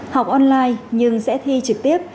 học online nhưng sẽ thi trực tiếp